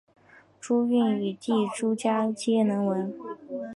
朱筠与弟朱圭皆能文。